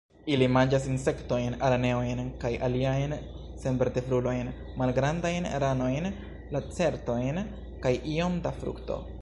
Ili manĝas insektojn, araneojn kaj aliajn senvertebrulojn, malgrandajn ranojn, lacertojn kaj iom da frukto.